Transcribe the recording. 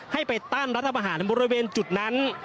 ให้ไปตั้งรัฐประหารบริเวณจุดนั้น